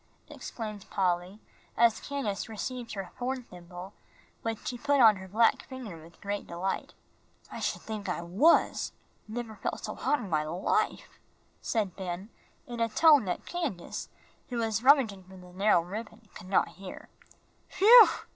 exclaimed Polly, as Candace received her horn thimble, which she put on her black finger with great delight. "I sh'd think I was. Never felt so hot in my life," said Ben, in such a tone that Candace, who was rummaging for the narrow ribbon, could not hear. "Whew!"